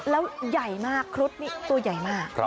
แล้วใหญ่มากครุฑนี่ตัวใหญ่มาก